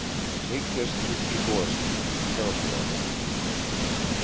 Take this to Tchigorsky and be careful of it."